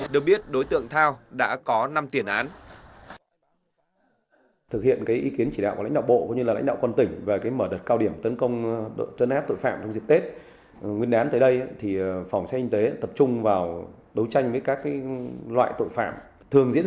được biết đối tượng thao đã có năm tiền án